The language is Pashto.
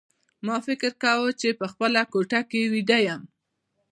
ما فکر کاوه چې په خپله کوټه کې ویده یم